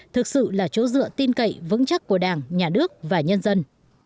thực sự là chỗ dựa tin cậy vững chắc của đảng nhà nước và nhân dân